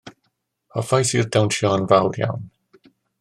Hoffais i'r dawnsio yn fawr iawn.